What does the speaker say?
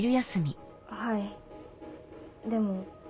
はいでも。